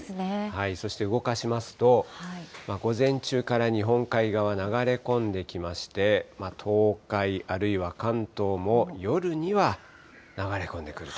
そして動かしますと、午前中から日本海側流れ込んできまして、東海あるいは関東も、夜には流れ込んでくる。